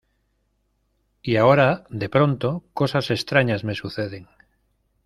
Y ahora, de pronto , cosas extrañas me suceden